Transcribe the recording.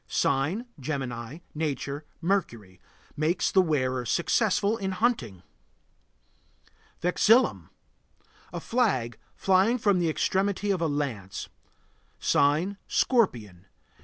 Sign: Gemini. Nature: Mercury. Makes the wearer successful in hunting. VEXILLUM. A flag flying from the extremity of a lance. Sign: Scorpion.